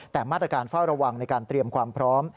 แต่มาตรการเฝ้าระวังในการเตรียมความพร้อม